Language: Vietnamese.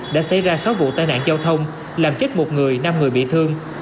đã xảy ra sáu vụ tai nạn giao thông làm chết một người năm người bị thương